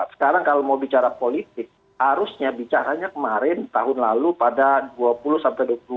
sekarang kalau mau bicara politik harusnya bicaranya kemarin tahun lalu pada dua puluh sampai dua puluh empat